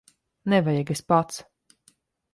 Nevajag. Es pats.